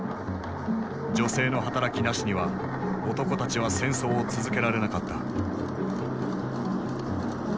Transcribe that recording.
女性の働きなしには男たちは戦争を続けられなかった。